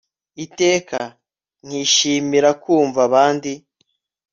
iteka nkishimira kumva abandi